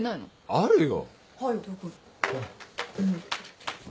あるよ。